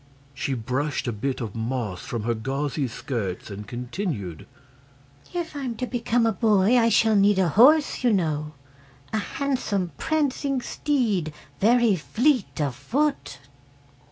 She brushed a bit of moss from her gauzy skirts and continued: "If I'm to become a boy I shall need a horse, you know. A handsome, prancing steed, very fleet of foot."